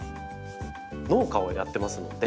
農家をやってますので。